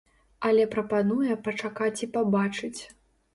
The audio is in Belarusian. Але прапануе пачакаць і пабачыць.